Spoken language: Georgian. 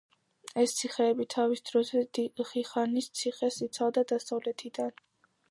ეს ციხეები თავის დროზე ხიხანის ციხეს იცავდა დასავლეთიდან.